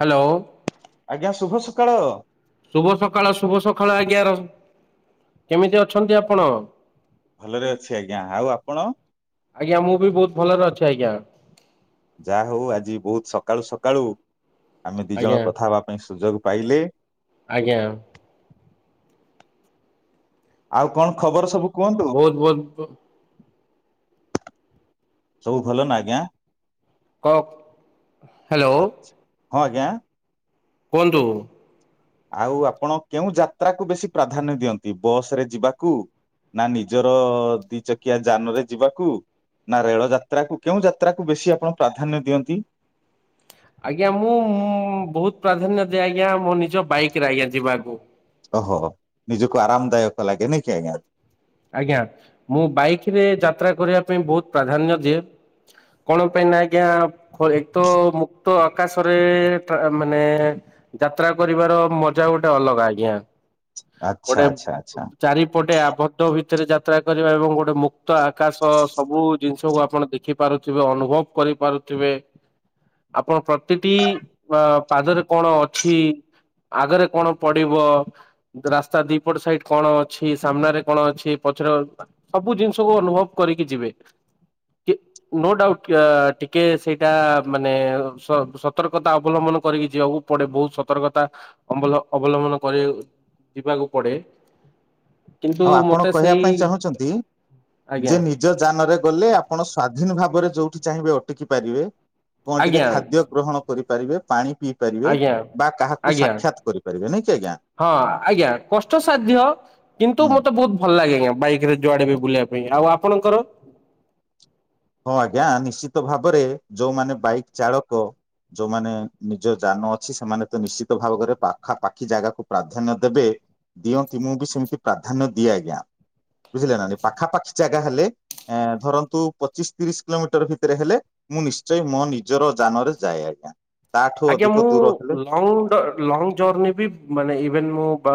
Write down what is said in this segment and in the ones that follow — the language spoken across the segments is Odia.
ହ୍ୟାଲୋ ଆଜ୍ଞା ଶୁଭ ସକାଳ ଶୁଭ ସକାଳ ଶୁଭ ସକାଳ ଆଜ୍ଞା ରହ କେମିତି ଅଛନ୍ତି ଆପଣ? ଭଲରେ ଅଛି ଆଜ୍ଞା ଆଉ ଆପଣ? ଆଜ୍ଞା ମୁଁ ବି ବହୁତ ଭଲରେ ଅଛି ଆଜ୍ଞା। ଯାହା ହଉ ଆଜି ବହୁତ ସକାଳୁ ସକାଳୁ ଆମେ ଦି ଆଜ୍ଞା ଜଣ କଥା ହବା ପାଇଁ ସୁଯୋଗ ପାଇଲେ ଆଜ୍ଞା ଆଉ କଣ ଖବର ସବୁ? କୁହନ୍ତୁ ବହୁତ ବହୁତ ସବୁ ଭଲ ନା ଆଜ୍ଞା? କ ହ୍ୟାଲୋ। ଆଚ୍ଛା ହଁ ଆଜ୍ଞା। କୁହନ୍ତୁ? ଆଉ ଆପଣ କେଉଁ ଯାତ୍ରାକୁ ବେଶୀ ପ୍ରାଧାନ୍ୟ ଦିଅନ୍ତି ବସ ରେ ଯିବାକୁ ନା ନିଜର ଦି ଚକିଆ ଯାନ ରେ ଯିବାକୁ ନା ରେଳ ଯାତ୍ରାକୁ କେଉଁ ଯାତ୍ରାକୁ ବେଶୀ ଆପଣ ପ୍ରାଧାନ୍ୟ ଦିଅନ୍ତି? ଆଜ୍ଞା ମୁଁ ଉଁ ବହୁତ ପ୍ରାଧାନ୍ୟ ଦିଏ ଆଜ୍ଞା ମୋ ନିଜ ବାଇକରେ ଆଜ୍ଞା ଯିବାକୁ। ଓହୋ ନିଜକୁ ଆରାମଦାୟକ ଲାଗେ ନାଇକି ଆଜ୍ଞା। ଆଜ୍ଞା ମୁଁ ବାଇକ ରେ ଯାତ୍ରା କରିବା ପାଇଁ ବହୁତ ପ୍ରାଧାନ୍ୟ ଦିଏ। କଣ ପାଇଁ ନା ଆଜ୍ଞା ଏକ ତ ମୁକ୍ତ ଆକାଶରେ ମାନେ ଯାତ୍ରା କରିବାର ମଜା ଗୋଟେ ଅଲଗା ଆଜ୍ଞା। ଆଚ୍ଛା ଗୋଟେ ଆଚ୍ଛା ଆଚ୍ଛା ଚାରିପଟେ ଆବଧ ଭିତରେ ଯାତ୍ରା କରିବା ଏବଂ ଗୋଟେ ମୁକ୍ତ ଆକାଶ ସବୁ ଜିନିଷକୁ ଆପଣ ଦେଖିପାରୁଥିବେ ଅନୁଭବ କରିପାରୁଥିବେ। ଆପଣ ପ୍ରତିଟି ଇ ପାଦରେ କଣ ଅଛି, ଆଗରେ କଣ ପଡିବ, ରାସ୍ତା ଦିପଟ ସାଇଡ କଣ ଅଛି ସାମ୍ନାରେ କଣ ଅଛି ପଛର ସବୁ ଜିନିଷକୁ ଅନୁଭବ କରିକି ଯିବେ ନୋ ଡାଉଟ ଟିକେ ସେଇଟା ମାନେ ସ ସତର୍କତା ଅବଲମ୍ବନ କରିକି ଯିବାକୁ ପଡେ ବହୁତ ସତର୍କତା ଅବଲ ଅବଲମ୍ବନ କରି ଯିବାକୁ ପଡେ କିନ୍ତୁ ଆଉ ଆପଣ ମତେ କହିବା ସେଇ ପାଇଁ ଚାହୁଁଛନ୍ତି ଆଜ୍ଞା ଯେ ନିଜ ଯାନରେ ଗଲେ ଆପଣ ସ୍ଵାଧୀନ ଭାବରେ ଯୋଉଠି ଚାହିଁବେ ଅଟକି ପାରିବେ। କଣ ଟିକେ ଆଜ୍ଞା ଖାଦ୍ୟ ଗ୍ରହଣ କରି ପାରିବେ ପାଣି ପିଇ ପାରିବେ। ଆଜ୍ଞା ବା କାହାକୁ ଆଜ୍ଞା ସାକ୍ଷାତ କରିପାରିବେ ନାଇଁ କି ଆଜ୍ଞା ହଁ ଆଜ୍ଞା କଷ୍ଟସାଧ୍ୟ କିନ୍ତୁ ହୁଁ ତୁ ମତେ ବହୁତ ଭଲ ଭଲ ଲାଗେ ଆଜ୍ଞା ବାଇକ ରେ ଯୁଆଡେ ବି ବୁଲିବା ପାଇଁ ଆଉ ଆପଣଙ୍କର? ହଁ ଆଜ୍ଞା ନିଶ୍ଚିତ ଭାବରେ ଯୋଉମାନେ ବାଇକ ଚାଳକ ଯୋଉମାନେ ନିଜ ଯାନ ଅଛି ସେମାନେ ତ ନିଶ୍ଚିତ ଭାବରେ ପାଖାପାଖି ଜାଗାକୁ ପ୍ରାଧାନ୍ୟ ଦେବେ ଦିଅନ୍ତି ମୁଁ ବି ସେମିତି ପ୍ରାଧାନ୍ୟ ଦିଏ ଆଜ୍ଞା। ବୁଝିଲେ ନା ଏଇ ପାଖାପାଖି ଜାଗ ଜାଗା ହେଲେ ଧରନ୍ତୁ ପଚିଶ ତିରିଶ କିଲୋମିଟର ଭିତରେ ହେଲେ ମୁଁ ନିଶ୍ଚୟ ମୋ ନିଜର ଯାନରେ ଯାଏ ଆଜ୍ଞା । ଆଜ୍ଞା ମୁଁ ଲଙ୍ଗ ଲଙ୍ଗ ଜର୍ଣୀ ବି ମାନେ ଇଭେନ ମୁଁ ବା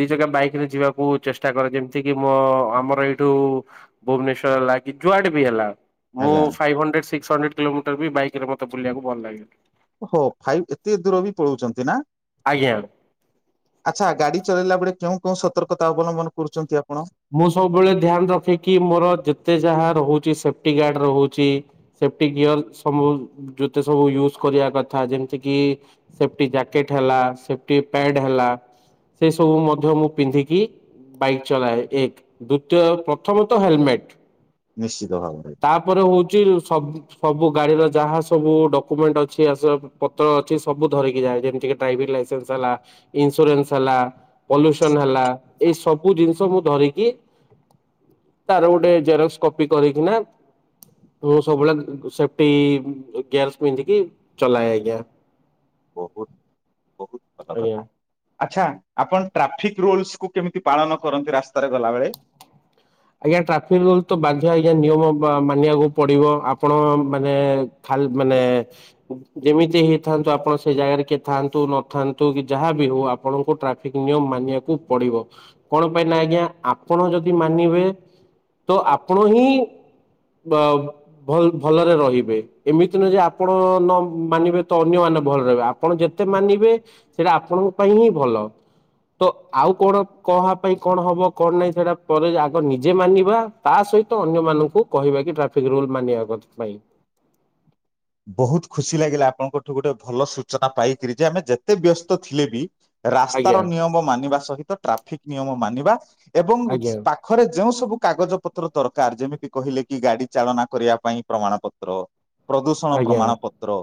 ଦି ଜାଗା ବାଇକରେ ଯିବାକୁ ଚେଷ୍ଟା କରେ ଯେମିତିକି ମୋ ଆମର ଏଇଠୁ ଭୁବନେଶ୍ୱର ହେଲା କି ଯୁଆଡ଼େ ବି ହେଲା ମୁଁ ଆଜ୍ଞା five hundred six hundred kilometre ବି ବାଇକ ରେ ମତେ ବୁଲିବାକୁ ଭଲ ଲାଗେ। ହଁ ଫାଇଭ୍ ଏତେ ଦୂର ବି ପଳଉଛନ୍ତି ନା। ଆଜ୍ଞା। ଆଚ୍ଛା ଗାଡି ଚଲେଇଲା ବେଳେ କେଉଁ କେଉ ସତର୍କତା ଅବଲମ୍ବନ କରୁଛନ୍ତି ଆପଣ? ମୁଁ ସବୁବେଳେ ଧ୍ୟାନ ରଖେ କି ମୋର ଯେତେ ଯାହା ରହୁଛି ସେ ସେଫ୍ଟି ଗାର୍ଡ ରହୁଛି ସେଫ୍ଟି ଗିୟର ସବୁ ଯେତେ ସବୁ ୟୁଜ୍ କରିବା କଥା ଯେମିତିକି ସେଫ୍ଟି ଜ୍ୟାକେଟ୍ ହେଲା ସେଫ୍ଟି ପ୍ୟାଡ ହେଲା ସେ ସବୁ ମଧ୍ୟ ମୁଁ ପିନ୍ଧିକି ବାଇକ୍ ଚଲାଏ । ଏକ ଦ୍ଵିତୀୟ ପ୍ରଥମତଃ ହେଲମେଟ । ନିଶ୍ଚିତ ଭାବରେ ତାପରେ ହଉଚି ସବୁ ସବୁ ଗାଡିର ଯାହା ସବୁ ଡକୁମେଣ୍ଟ ଅଛି ଆସବାବ ପତ୍ର ଅଛି ସବୁ ଧରିକି ଯାଏ ଯେମିତି ଡ୍ରାଇଭିଂ ଲାଇସେନ୍ସ ହେଲା ଇନସୁରାନ୍ସ ହେଲା ପଲ୍ୟୁସନ ହେଲା ଏ ସବୁ ଜିନିଷ ମୁଁ ଧରିକି ତାର ଗୋଟେ ଜେରକ୍ସ କପି କରିକିନା ମୁଁ ସବୁବେଳେ ସେଫଟି ଗ୍ଲାସ ପିନ୍ଧିକି ଚଲାଏ ଆଜ୍ଞା। ବହୁତ ବହୁତ ଭଲ ଆଜ୍ଞା। କଥା। ଆଚ୍ଛା ଆପଣ ଟ୍ରାଫିକ ରୁଲସକୁୁ କେମିତି ପାଳନ କରନ୍ତି ରାସ୍ତାରେ ଗଲାବେଳେ । ଆଜ୍ଞା ଟ୍ରାଫିକ ରୁଲ ତ ବାଧ୍ୟ ଆଜ୍ଞା ନିୟମ ମାନିବାକୁ ପଡିବ ଆପଣ ମାନେ ଖାଲି ମାନେ ଯେମିତି ହେଇଥାନ୍ତୁ ଆପଣ ସେ ଜାଗାରେ କିଏ ଥାନ୍ତୁ ନଥାନ୍ତୁ କି ଯାହା ବିି ହଉ ଆପଣଙ୍କୁ ଟ୍ରାଫିକ ନିୟମ ମାନିବାକୁ ପଡିବ କଣ ପାଇଁ ନା ଆଜ୍ଞା ଆପଣ ଯଦି ମାନିବେ ତ ଆପଣ ହିଁ ଅ ଭଲ ଭଲରେ ରହିବେ ଏମିତି ନୁହଁ ଯେ ଆପଣ ନ ମାନିବେ ତ ଅନ୍ୟମାନେ ଭଲରେ ରହିବେ ଆପଣ ଯେତେ ମାନିବେ ସେଇଟା ଆପଣଙ୍କ ପାଇଁ ହିଁ ଭଲ ତ ଆଉ କଣ କହା ପାଇଁ କଣ ହବ କଣ ନାହିଁ ସେଇଟା ପରେ ଆଗ ନିଜେ ମାନିବା ତା ସହିତ ଅନ୍ୟ ମାନଙ୍କୁ କହିବା କି ଟ୍ରାଫିକ ରୁଲ ମାନିବା ପାଇଁ । ବହୁତ ଖୁସି ଲାଗିଲା ଆପଣଙ୍କଠୁ ଗୋଟେ ଭଲ ସୂଚନା ପାଇକିରି ଯେ ଆମେ ଯେତେ ବ୍ୟସ୍ତ ଥିଲେ ବି ରାସ୍ତାର ଆଜ୍ଞା ନିୟମ ମାନିବା ସହିତ ଟ୍ରାଫି ଠିକ ନିୟମ ମାନିବା ଏବଂ ଆଜ୍ଞା ପାଖରେ ଯେଉଁ ସବୁ କାଗଜ ପତ୍ର ଦରକାର ଯେମିତି କହିଲେ କି ଗାଡି ଚାଳନା କରିବା ପାଇଁ ପ୍ରମାଣ ପତ୍ର ଆଜ୍ଞା ପ୍ରମାଣ ପତ୍ର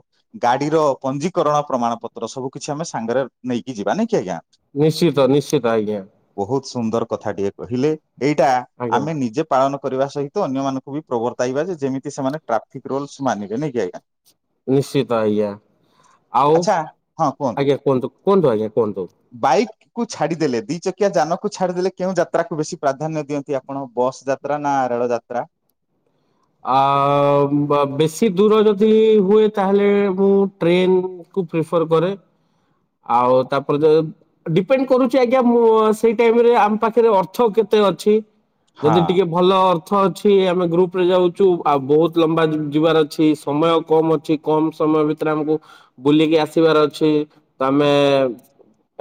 ଗାଡିର ପଞ୍ଜୀକରଣ ପ୍ରମାଣ ପତ୍ର ସବୁ କିଛି ଆମେ ସାଙ୍ଗରେ ନେଇକି ଯିବା ନାହିଁକି ଆଜ୍ଞା, ନିଶ୍ଚିତ ନିଶ୍ଚିତ ଆଜ୍ଞା, ବହୁତ ସୁନ୍ଦର କଥାଟିଏ କହିଲେ, ଏଇଟା ଆଜ୍ଞା ଆମେ ନିଜେ ପାଳନ କରିବା ସହିତ ଅନ୍ୟମାନଙ୍କୁ ବି ପ୍ରବର୍ତ୍ତାଇବା ଯେମିତି ସେମାନେ ଟ୍ରାଫିକ ରୁଲସ ମାନ ନାଇକି ଆଜ୍ଞା, ନିଶ୍ଚିତ ଆଜ୍ଞା ଆଉ ଆଚ୍ଛା ହଁ ଆଜ୍ଞା କୁହନ୍ତୁ? କୁହନ୍ତୁ ଆଜ୍ଞା କୁହନ୍ତୁ, ବାଇକ୍ କୁ ଛାଡିଦେଲେ ଦି ଚକିଆ ଯାନକୁ ଛାଡିଦେଲେ କେଉଁ ଯାତ୍ରା କୁ ବେଶୀ ପ୍ରାଧାନ୍ୟ ଦିଅନ୍ତି ଆପଣ ବସ୍ ଯାତ୍ରା ନା ରେଳ ଯାତ୍ରା, ଆ ବେଶୀ ଦୂର ଯଦି ହୁଏ ତାହେଲେ ମୁଁ ଟ୍ରେନ କୁ ପ୍ରିଫର କରେ ଆଉ ତାପରେ ଯ ଡିପେଣ୍ଡ କରୁଛି ଆଜ୍ଞା ମୁଁ ସେଇ ଟାଇମରେ ଆମ ପାଖରେ ଅର୍ଥ କେତେ ଅଛି, ହଁ ଯଦି ଟିକେ ଭଲ ଅର୍ଥ ଅଛି ଆମେ ଗ୍ରୁପ ଯାଉଛୁ ଆଉ ବହୁତ ଲମ୍ବା ଯିବାର ଅଛି ସମୟ କମ ଅଛି କମ ସମୟ ଭିତରେ ଆମକୁ ବୁଲିକି ଆସିବାର ଅଛି ତ ଆମେ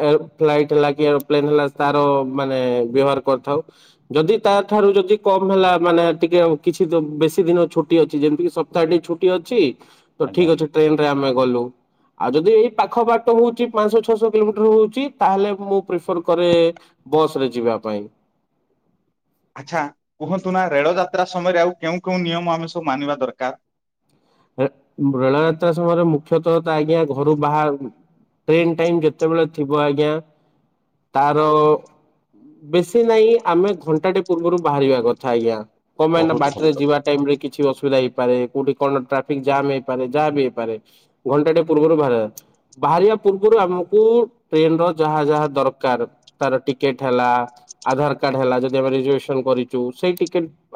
ଏ ଫ୍ଲାଇଟ ହେଲା କି ଏରୋପ୍ଲେନ ହେଲା ତାର ମାନେ ବ୍ୟବହାର କରିଥାଉ, ଯଦି ତା ଠାରୁ ଯଦି କମ ହେଲା ମାନେ ଟିକେ କିଛି ବେଶୀ ଦିନ ଛୁଟି ଅଛି ଯେମିତିି ସପ୍ତାହ ଟି ଛୁଟି ଅଛି ତ ଆଜ୍ଞା। ଠିକ୍ ଅଛି ଟ୍ରେନ ରେ ଆମେ ଗଲୁ ଆଉ ଯଦି ଏଇ ପାଖ ବାଟ ହଉଛି ପାଞ୍ଚଶହ ଛଅଶହ କିଲୋମିଟର ହଉଛି ତାହେଲେ ମୁଁ ପ୍ରିଫର କରେ ବସ ରେ ଯିବା ପାଇଁ, ଆଚ୍ଛା କୁହନ୍ତୁ ନା ରେଳଯାତ୍ରା ସମୟରେ ଆଉ କେଉଁ କେଉଁ ନିୟମ ଆମେ ସବୁ ମାନିବା ଦରକାର? ରେଳ ଯାତ୍ରା ସମୟରେ ମୁଖ୍ୟତଃ ତ ଆଜ୍ଞା ଘରୁ ବା ଟ୍ରେନ ଟାଇମ ଯେତେବେଳେ ଥିବ ଆଜ୍ଞା ତାର ବେଶୀ ନାହିଁ ଆମେ ଘଣ୍ଟାଟି ପୂର୍ବରୁ ବାହାରିବା କଥା ଆଜ୍ଞା, କଣ ପାଇଁ ନା ବହୁତ ଭଲ ବାଟରେ କଥା ଯିବା ଟାଇମ ରେ କିଛି ଅସୁବିଧା ହେଇପାରେ କୋଉଠି କର ନା ଟା ଟ୍ରାଫିକ ଜାମ୍ ହେଇପାରେ ଯାହା ବି ହେଇପାରେ ଘଣ୍ଟାଟେ ପୂର୍ବରୁ ବାହାର ବାହାରିବା ପୂର୍ବରୁ ଆମକୁ ଟ୍ରେନ ର ଯାହା ଯାହା ଦରକାର ତାର ଟିକେଟ ହେଲା ଆଧାର କାର୍ଡ ହେଲା ଯଦି ଆମେ ରିଜଭସନ କରିଛୁ ସେଇ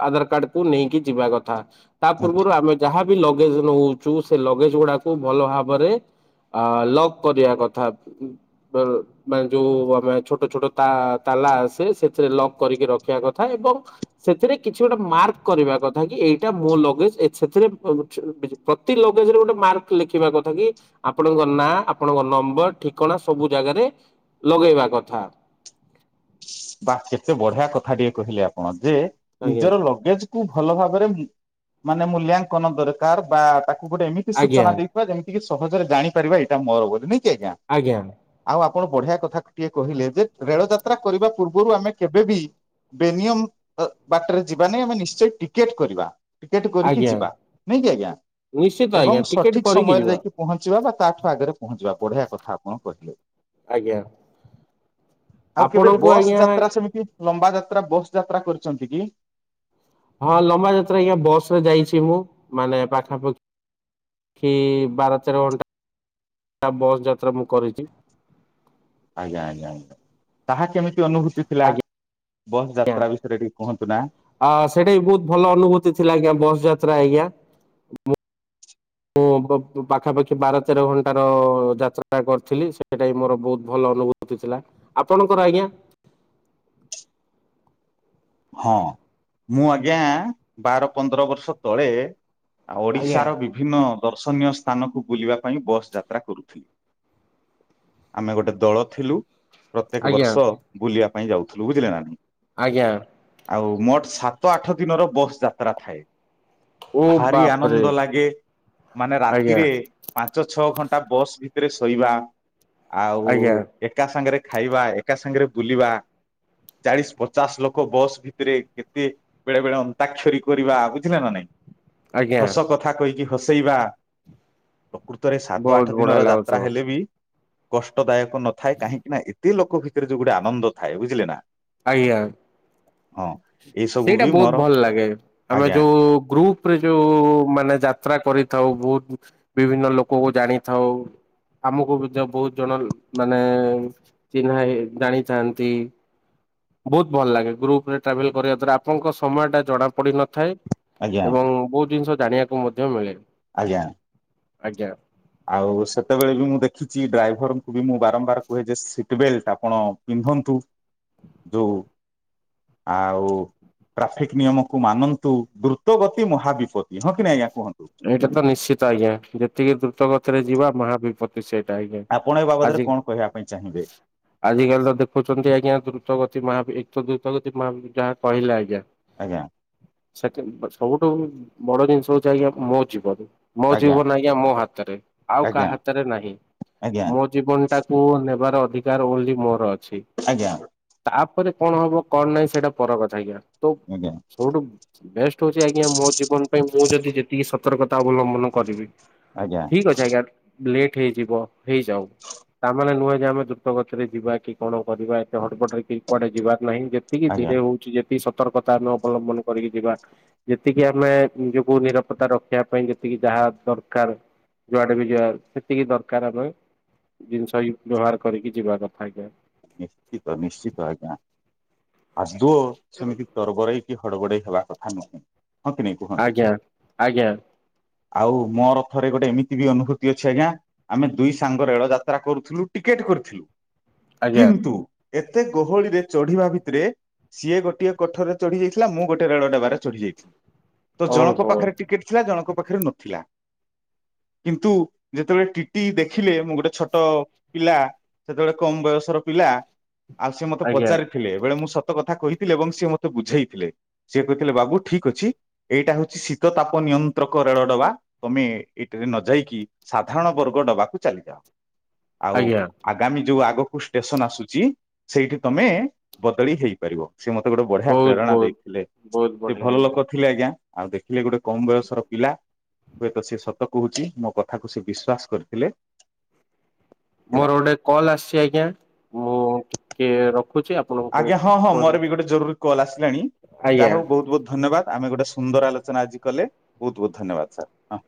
ଆଧାର କାର୍ଡକୁ ନେଇକି ଯିବା କଥା, ତା ପୂର୍ବରୁ ଆମେ ଯାହାବ ଲଗେଜ ନଉଛୁ ସେ ଲଗେଜ ଗୁଡାକୁ ଭଲ ଭାବରେ ଅ ଲକ୍ କରିବା କଥା ମାନେ ଯୋଉ ଆମେ ଛୋଟ ଛୋଟ ତାଲା ଆସେ ସେଥିରେ ଲକ୍ କରିକି ରଖିବା କଥା ଏବଂ ସେଥିରେ କିଛି ଗୋଟେ ମାର୍କ କରିବା କଥା କି ଏଇଟା ମୋ ଲଗେଜ ସେଥିରେ ପ୍ରତି ଲଗେଜରେ ଗୋଟେ ମାର୍କ ଲେଖିବା କଥା କି ଆପଣଙ୍କ ନାଁ ଆପଣଙ୍କ ନମ୍ବର ଠିକଣା ସବୁ ଜାଗାରେ ଲଗେଇବା କଥା, ବା କେତେ ବଢିଆ କଥା ଟିକେ କହିଲେ ଆପଣ ଯେ, ଆଜ୍ଞା ନିଜର ଲଗେଜ କୁ ଭଲ ଭାବରେ ମାନେ ମୂଲ୍ୟାଙ୍କନ ଦରକାର ବା ତା କୁ ଗୋଟେ ଏମିତି ଆଜ୍ଞା ସୂଚନା ଦେଇଥିବା ଯେମିତି ଟିକେ ସହଜରେ ଜାଣିପାରିବା ଏଇଟା ମୋର ବୋଲି ନାଇଁ କି। ଆଜ୍ଞା ଆଉ ଆ କଣ ବଢିଆ କଥା ଟିଏ କହିଲେ ଯେ ରେଳ ଯାତ୍ରା କରିବା ପୂର୍ବରୁ ଆମେ କେବେ ବି ବେନିୟମ ବାଟରେ ଯିବା ନାହିଁ ଆମେ ନିଶ୍ଚୟ ଟିକେଟ କରିବା। ଟିକେଟ କରିକି ଆଜ୍ଞା ଯିବା ନାଇଁ କି ଆଜ୍ଞା ନିଶ୍ଚିତ ଆଜ୍ଞା ଏବଂ ଟିକେଟ ସଠିକ କରିକି ସମୟରେ ଯିବା ଯାଇକି ପହଞ୍ଚିବା ବା ତାଠୁ ଆଗରେ ପହଞ୍ଚିବା ବଢିଆ କଥା ଆପଣ କହିଲେ। ଆଜ୍ଞା ଆଉ କେବେ ଆପଣଙ୍କୁ ବସ୍ ଆଜ୍ଞା ଯାତ୍ରା ସେମିତି ଲମ୍ବା ଯାତ୍ରା ଯାତା ବସ୍ ଯାତ୍ରା କରିଛନ୍ତି କି? ହଁ ଲମ୍ବା ଯାତ୍ରା ଆଜ୍ଞା ବସରେ ଯାଇଛି ମୁଁ ମାନେ ପାଖାପାଖି ବାର ତେର ଘଣ୍ଟା ବସ୍ ଯାତ୍ରା ମୁଁ କରିଛି। ଆଜ୍ଞା ଆଜ୍ଞା ଆଜ୍ଞା ତାହା କେମିତି ଅନୁଭୂତି ଥିଲା ବସ୍ ଆଜ୍ଞା ଯାତ୍ରା ବିଷୟରେ ଟିକେ କୁହନ୍ତୁ ନା? ଅ ସେଟା ବି ବହୁତ ଭଲ ଅନୁଭୂତି ଥିଲା ଆଜ୍ଞା ବସ ଯାତ୍ରା ଆଜ୍ଞା। ମୁଁ ମୁଁ ପ ପାଖା ପାଖି ବାର ତେର ଘଣ୍ଟାର ଯାତ୍ରା କରିଥିଲି ସେଇଟା ବି ମୋର ବହୁତ ଭଲ ଅନୁଭୂତି ଥିଲା। ଆପଣଙ୍କର ଆଜ୍ଞା। ହଁ ମୁଁ ଆଜ୍ଞା ବାର ପନ୍ଦର ବର୍ଷ ତଳେ ଆଉ ଆଜ୍ଞା ଓଡିଶାର ବିଭିନ୍ନ ଦର୍ଶନୀୟ ସ୍ଥାନକୁ ବୁଲିବା ପାଇଁ ବସ ଯାତ୍ରା କରୁଥିଲି। ଆମେ ଗୋଟେ ଦଳ ଥିଲୁ। ପ୍ରତ୍ୟେକ ଆଜ୍ଞା ବର୍ଷ ବୁଲିବା ପାଇଁ ଯାଉଥିଲୁ ବୁଝିଲେ ନା। ଆଜ୍ଞା। ଆଉ ମୋଟ ସାତ ଆଠ ଦିନର ବସ ଯାତ୍ରା ଥାଏ। ଓ ଭାରି ଆନନ୍ଦ ବାପରେ ଲାଗେ ମାନେ ଆଜ୍ଞା ରାତିରେ ପାଞ୍ଚ ଛଅ ଘଣ୍ଟା ବସ ଭି ରେ ଶୋଇବା ଆଉ ଆଜ୍ଞା ଏକା ସାଙ୍ଗରେ ଖାଇବା ଏକା ସାଙ୍ଗରେ ବୁଲିବା ଚାଳିଶି ପଚାଶ ଲୋକ କ ବସ ଭିତରେ କେତେ ବେଳେ ବେଳେ ଅନ୍ତାକ୍ଷରୀ କରିବା ବୁଝିଲେ ନା ନାଇଁ। ଆଜ୍ଞା ହସ କଥା କହିକି ହସେଇବା। ପ୍ରକୃତରେ ସାତ ଆଠ ବହୁତ ବଢିଆ ଦିନର ଯାତ୍ରା ଲାଗୁଥିବ ହେଲେ ବି କଷ୍ଟ ଦାୟକ ନଥାଏ କାହିଁକି ନା ଏତେ ଲୋକ ଭିତରେ ଯୋଉ ଗୋଟେ ଆନନ୍ଦ ଥାଏ ବୁଝିଲେ ନା। ଆଜ୍ଞା। ହଁ ଏଇ ସବୁ ସେଇଟା ବି ବହୁତ ମୋର ଭଲ ଲାଗେ ଆମେ ଆଜ୍ଞା ଯୋଉ ଗ୍ରୁପ ପରେ ଯୋଉ ମାନେ ଯାତ୍ରା କରିଥାଉ ବହୁତ ବିଭିନ୍ନ ଲୋକଙ୍କୁ ଜାଣିଥାଉ ଆମକୁ ମଧ୍ୟ ବହୁତ ଜଣ ମାନେ ଚିହ୍ନା ଜାଣିଥାନ୍ତି ବହୁତ ଭଲ ଲାଗେ ଗ୍ରୁପରେ ଟ୍ରାଭେଲ କରିବା ଦ୍ଵାରା ଆପଣଙ୍କ ସମୟ ଟା ଜଣାପଡ଼ି ନଥାଏ ଆଜ୍ଞା ଏବଂ ବହୁତ ଜିନିଷ ଜାଣିବାକୁ ମଧ୍ୟ ମିଳେ। ଆଜ୍ଞା। ଆଜ୍ଞା ଆଉ ସେତେବେଳେ ବି ମୁଁ ଦେଖିଛି ଡ୍ରାଇଭରଙ୍କୁ ବି ମୁଁ ବାରମ୍ବାର କୁହେ ଯେ ସିଟ ବେଲଟ ଆପଣ ପିନ୍ଧନ୍ତୁ ଯୋଉ ଆଉ ଟ୍ରାଫିକ ନିୟମକୁ ମାନନ୍ତୁ ଦ୍ରୁତ ଗତି ମହାବିପତ୍ତି ହଁ କି ନା ଆଜ୍ଞା କୁହନ୍ତୁ। ଏଇଟା ତ ନିଶ୍ଚିତ ଆଜ୍ଞା ଯେତିକି ଦ୍ରୁତ ଗତିରେ ଯିବା ମହା ବିପ ତ୍ତି ସେଇଟା ଆଜ୍ଞା ଆପଣ ଏ ବାବଦରେ ଆଜି କଣ କହିବା ପାଇଁ ଚାହିଁବେ ଆଜି କାଲି ତ ଦେଖୁଛନ୍ତି ଆଜ୍ଞା ଦ୍ରୁତ ଗତି ମହା ବି ତ ଦ୍ରୁତଗତି ମା ଯାହା କହିଲେ ଆଜ୍ଞା। ଆଜ୍ଞା ସେଥି ସବୁଠୁ ବଡ ଜିନିଷ ହଉଛି ଆଜ୍ଞା ମୋ ଜୀବନ ମୋ ଜୀବନ ଆଜ୍ଞା ମୋ ହାତରେ ଆଉ କାହା ଆଜ୍ଞା ହାତରେ ନାହିଁ ଆଜ୍ଞା ମୋ ଜୀବନ ଟାକୁ ନେବାର ଅଧିକାର ଓନଲି ମୋର। ଅଛି ଆଜ୍ଞା ତା ପରେ କଣ ହବ କଣ ନାହିଁ ସେଇଟା ପର କଥା ଆଜ୍ଞା। ତ ଆଜ୍ଞା ଛୋଡ଼ୁ ବେଷ୍ଟ ହଉଛି ଆଜ୍ଞା ମୋ ଜୀବନ ପାଇଁ ମୁଁ ଯଦିି ଟିକିେ ସତର୍କତା ଅବଲମ୍ବନ କରିବି ଆଜ୍ଞା ଠିକ ଅଛ ଆଜ୍ଞା ଲେଟ୍ ହେଇଯିବ ହେଇଯାଉ ତାମାନେ ନୁହେଁ ଆମେ ଦ୍ରୁତ ଗଛରେ ଯିବା କି କଣ କରିବା ଏତେ ହଟପଟରେ କି କୁଆଡେ ଯିବା ନାହିଁ ଯେତିକି ଆଜ୍ଞା ଧୀରେ ହଉଛି ଯେତିକି ସ ସତର୍କତା ଆମେ ଅବଲମ୍ବନ କରିକି ଯିବା ଯେତିକି ଆମେ ନିଜକୁ ନିର। ତା ରଖିବା ପାଇଁ ଯେତିକି ଯାହା ଦରକାର ଯୁଡେ ବି ଯିବା ସେତିକି ଦରକାର ଆମେ ଜିନିଷ ବ୍ୟବହାର କରିକି ଯିବା କଥା ଆଜ୍ଞା। ନିଶ୍ଚିତ ନିଶ୍ଚିତ ଆଜ୍ଞା। ଆଦୌଅ ସେମିତି ତରବରାଇକି। ଘଡ଼ଘଡେଇ ହେବା କଥା ନୁହେଁ ହଁ କି ନାଇଁ କୁହନ୍ତୁ? ଆଜ୍ଞା ଆଜ୍ଞା। ଆଉ ମୋର ଥରେ ଗୋଟେ ଏମିତି ବି ଅନୁଭୂତି ଅଛି ଆଜ୍ଞା ଆମେ ଦୁଇ ସାଙ୍ଗ ରେଳ ଯାତ୍ରା କରୁଥିଲୁ ଟିକେଟ କରିଥିଲୁ। ଆଜ୍ଞା କିନ୍ତୁ ଏତେ ଗୋହଳିରେ ଚଢିବା ଭିତରେ ସିଏ ଗୋଟିଏ କୋଠରରେ ଚଢି ଯାଇଥିଲା ମୁଁ ଗୋଟଏ ରେଳ ଡବାରେ ଚଢି ଯାଇଥିଲି। ତ ଜଣଙ୍କ ଓହୋ ପାଖରେ ଟିକେଟ ଥିଲା ଜଣଙ୍କ ପାଖରେ ନଥିଲା। କିନ୍ତୁ ଯେତେବେଳେ ଟିଟି ଦେଖିଲେ ମୁଁ ଗୋଟେ ଛୋଟ ପିଲା ସେତେବେଳେ କମ ବୟସ। ପିଲା ଆଉ ସେ ମତେ ଆଜ୍ଞା ପଚାରିଥିଲେବେଳେ ମୁଁତ କଥା କହିଥିଲେ ଏବଂ ସି ମୋତେ ବୁଝେଇଥିଲେ ସି କହିଥିଲେ ବାବୁ ଠିକ ଅଛି ଏଇଟା ହଉଛି ଶୀତ ତାପ ନିୟନ୍ତ୍ରକ ରେଳ ଡବା ତମେ ଏଇଠରେ ନ ଯାଇକି ସାଧାରଣ ବର୍ଗ ଡବାକୁ ଚାଲିଯାଅ ଆଉ ଆଜ୍ଞା ଆଗାମୀ ଯୋଉ ଆଗକୁ ଷ୍ଟେସନ ଆସୁଛି ସେଇଠି ତମେ ବଦଳି ହେଇପାରିବ ସେ ମତେ ଗୋଟେ ବଢିଆ ବହୁତ ପ୍ରେରଣା ବହୁତ ଦେଇଥିଲେ ବହୁତ ସେ ବଢିଆ ଭଲ ଆଜ୍ଞା। ଲୋକ ଥିଲେ ଆଜ୍ଞା ଆଉ ଦେଖିଲେ ଗୋଟେ କମ ବୟସର ପିଲା ହୁଏତ ସେ ସତ କହୁଛି ମୋ କଥାକୁ ସେ ବିସ୍ଵାସ କରିଥିଲେ। ହେଲା। ମୋର ଗୋଟେ କଲ୍ ଆସୁଛି ଆଜ୍ଞା। ମୁଁ ଟିକେ ରଖ ଆଜ୍ଞା ହଁ ହଁ ମୋର ବି ଗୋଟେ ଜରୁରୀ କଲ୍ ଆସିଲାଣି ଆଜ୍ଞା ଯାହା ହଉ ବହୁତ ବହୁତ ଧନ୍ୟବାଦ। ଆମେ ଗୋଟେ ସୁନ୍ଦର ଆଲୋଚନା ଆଜି କଲେ ବହୁତ ବହୁତ ଧନ୍ୟବାଦ ସାର୍ ହ